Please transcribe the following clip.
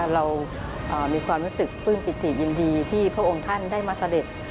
เรามีความรู้สึกปลื้มปิติยินดีที่พระองค์ท่านได้มาเสด็จ